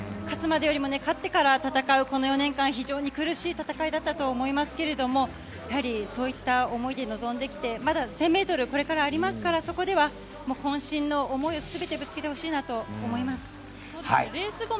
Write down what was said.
勝つまでよりも勝ってから戦うこの４年間非常に苦しい戦いだったと思いますけどもやはりそういった思いで臨んできてまだ１０００ｍがこれからありますから、そこでは渾身の思いを全てぶつけてほしいなと思います。